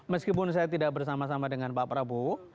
meskipun saya tidak bersama sama dengan pak prabowo